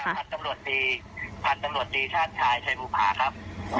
ภาคแมงดงรตรีปัญญาตนพย์ดงรตรีท่านชายชัยบูพาครับ